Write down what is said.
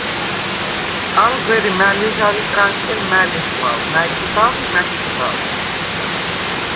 ალ გვერე მა̈ ლეჟავ იკრანკელ, მა̈ ლექვავ, მა̈ ჟიბავ ი მა̈ ჩუბავ.